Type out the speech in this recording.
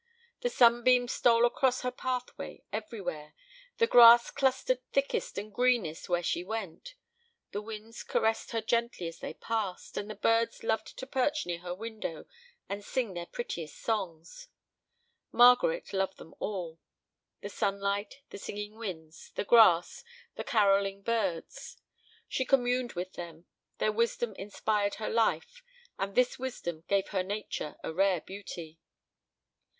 The sunbeams stole across her pathway everywhere, the grass clustered thickest and greenest where she went, the winds caressed her gently as they passed, and the birds loved to perch near her window and sing their prettiest songs. Margaret loved them all, the sunlight, the singing winds, the grass, the carolling birds. She communed with them; their wisdom inspired her life, and this wisdom gave her nature a rare beauty.